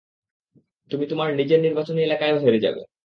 তুমি তোমার নিজের নির্বাচনী এলাকায়ও হেরে যাবে।